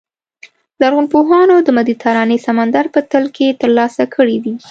لرغونپوهانو د مدیترانې سمندر په تل کې ترلاسه کړي دي.